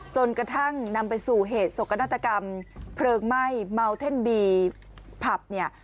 จนกระทั่งนำไปสู่เหตุสกนาฏกรรมเพลิงไหม้เมาเท่นบีผับเนี่ย